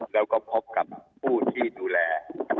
แล้วก็พบกับผู้ที่ดูแล